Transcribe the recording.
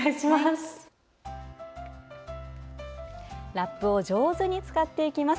ラップを上手に使っていきます。